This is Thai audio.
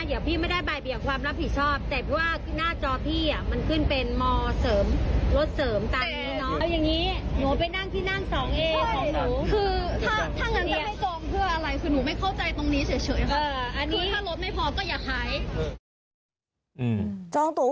อย่างที่พี่ไม่ได้บริเวณและความรับผิดชอบแต่เพราะว่าหน้าจอพี่มันขึ้นเป็นมอร์เสริมรถเสริมตอนนี้เนอะ